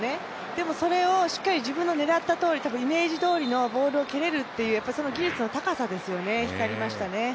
でも、それをしっかり自分の狙ったとおり、イメージどおりのボールを蹴れるっていう技術の高さが光りましたよね。